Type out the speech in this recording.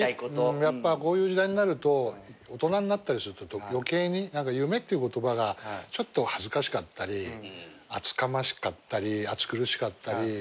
やっぱこういう時代になると大人になったりすると余計に夢っていう言葉がちょっと恥ずかしかったり厚かましかったり暑苦しかったり。